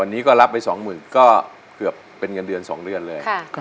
วันนี้ก็รับไปสองหมื่นก็เกือบเป็นเงินเดือนสองเดือนเลยค่ะ